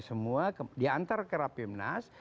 semua diantar ke rapimnas